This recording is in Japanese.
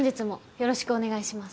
よろしくお願いします。